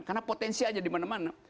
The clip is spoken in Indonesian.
karena potensi aja dimana mana